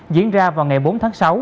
diễn ra vào ngày bốn tháng sáu